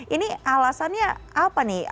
ini alasannya apa nih